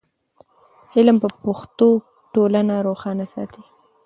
علم په پښتو ټولنه روښانه ساتي.